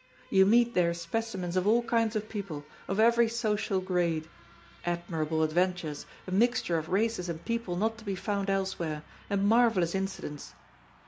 You meet there specimens of all kinds of people, of every social grade admirable adventures, a mixture of races and people not to be found elsewhere, and marvelous incidents.